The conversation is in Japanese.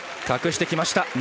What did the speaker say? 隠してきました。